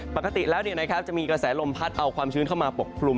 ปกติแล้วจะมีกระแสลมพัดเอาความชื้นเข้ามาปกคลุม